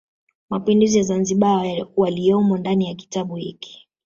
Mapinduzi ya Zanzibar waliyomo ndani ya kitabu hiki